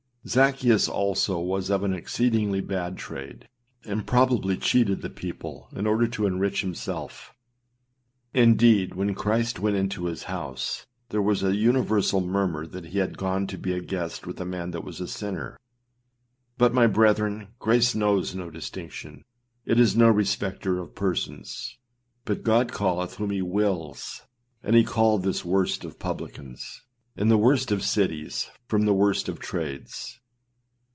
Zaccheus also was of an exceedingly bad trade, and probably cheated the people in order to enrich himself. Indeed, when Christ went into his house, there was an universal murmur that he had gone to be a guest with a man that was a sinner. But, my brethren, grace knows no distinction; it is no respecter of persons, but God calleth whom he wills, and he called this worst of publicans, in the worst of cities, from the worst of trades.